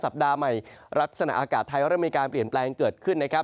ใหม่ลักษณะอากาศไทยเริ่มมีการเปลี่ยนแปลงเกิดขึ้นนะครับ